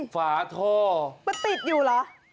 ฝาท่อมันติดอยู่เหรอ